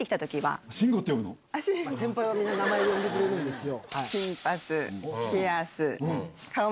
先輩はみんな名前で呼んでくれるんですよ。